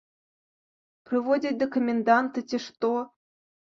Прыводзяць да каменданта, ці што.